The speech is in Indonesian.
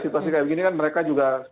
situasi kayak gini kan mereka juga